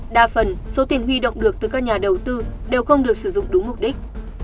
đa phần số tiền huy động được từ các nhà đầu tư đều không được sử dụng đúng mục đích